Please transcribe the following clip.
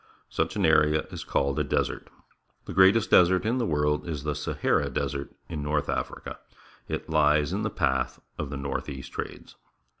Such an area is called a desert. The greatest desert in the world is the Sahara Desert in North Africa. It lies in the path of the north east trades.